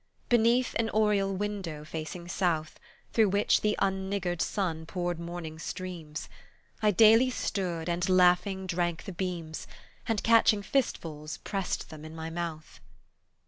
Beneath an oriel window facing south Through which the unniggard sun poured morning streams, I daily stood and laughing drank the beams, And, catching fistfuls, pressed them in my mouth.